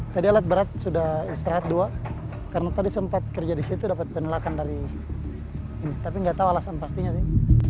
tadi alat berat sudah istirahat dua karena tadi sempat kerja di situ dapat penolakan dari ini tapi nggak tahu alasan pastinya sih